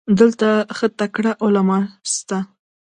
دلته هم ښه تکړه علما سته.